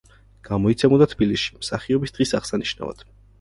გამოიცემოდა თბილისში, მსახიობის დღის აღსანიშნავად.